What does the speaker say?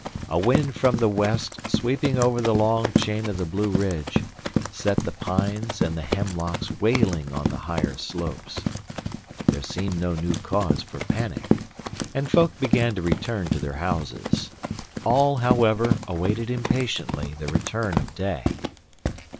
A wind from the west sweeping over the long chain of the Blueridge, set the pines and hemlocks wailing on the higher slopes. There seemed no new cause for panic; and folk began to return to their houses. All, however, awaited impatiently the return of day.